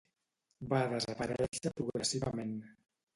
Va desaparèixer progressivament.